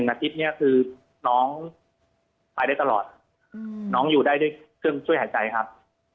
อาทิตย์นี้คือน้องไปได้ตลอดน้องอยู่ได้ด้วยเครื่องช่วยหายใจครับ